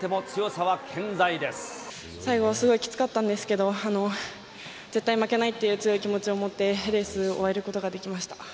最後、すごくきつかったんですけど、絶対負けないっていう強い気持ちを持って、レースを終えることができました。